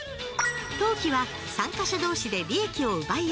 投機は参加者同士で利益を奪い合う。